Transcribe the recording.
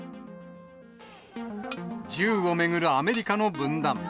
銃を巡るアメリカの分断。